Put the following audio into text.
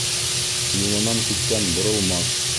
Юлынан киткән боролмаҫ.